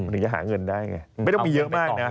ถึงจะหาเงินได้ไงไม่ต้องมีเยอะมากนะ